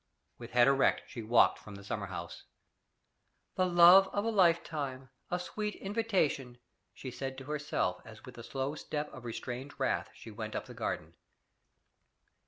With head erect she walked from the summer house. "The love of a lifetime! a sweet invitation!" she said to herself, as with the slow step of restrained wrath she went up the garden.